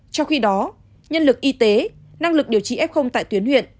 trong khi đó nhân lực y tế năng lực điều trị f tại tuyến huyện